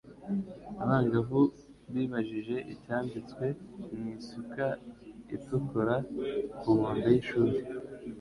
Abangavu bibajije icyabitswe mu isuka itukura ku nkombe y’ishuri.